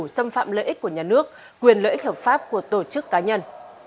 xâm phạm lợi ích của nhà nước quyền lợi ích hợp pháp của tổ chức cá nhân